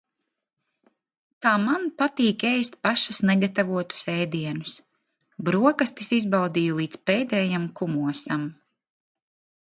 Kā man patīk ēst pašas negatavotus ēdienus. Brokastis izbaudīju līdz pēdējam kumosam.